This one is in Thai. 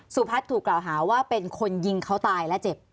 สุพัฒน์ถูกกล่าวหาว่าเป็นคนยิงเขาตายและเจ็บ